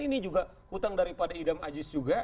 ini juga hutang daripada idam aziz juga